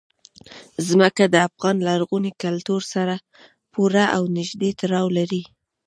ځمکه د افغان لرغوني کلتور سره پوره او نږدې تړاو لري.